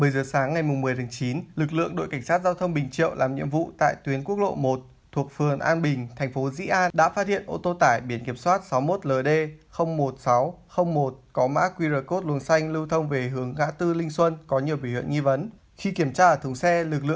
các bạn hãy đăng ký kênh để ủng hộ kênh của chúng mình nhé